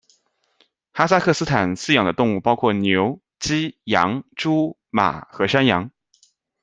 哈萨克斯坦饲养的动物包括牛，鸡，羊，猪，马和山羊。